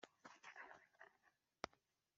imibanire yabo,